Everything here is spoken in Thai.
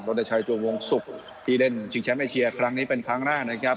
รถได้ใช้ตัววงศุกร์ที่เล่นชิงแชมป์ไอเชียครั้งนี้เป็นครั้งหน้านะครับ